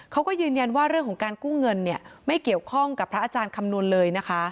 เขาก็ยืนยันว่าเรื่องของการกู้เงินเนี่ยไม่เกี่ยวข้องกับพระอาจารย์คำนวณเลยนะคะ